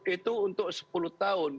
itu untuk sepuluh tahun